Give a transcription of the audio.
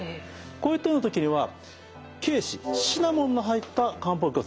こういったような時には桂枝シナモンの入った漢方薬を使うんですね。